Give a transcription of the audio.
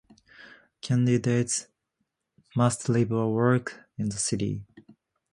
Candidates must live or work in the city.